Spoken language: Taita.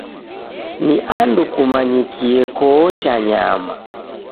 Ni andu kumanyikie koocha nyama.